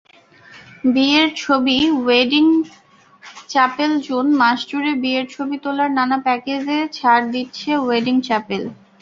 বিয়ের ছবিওয়েডিং চ্যাপেলজুন মাসজুড়ে বিয়ের ছবি তোলার নানা প্যাকজে ছাড় দিচ্ছে ওয়েডিং চ্যাপেল।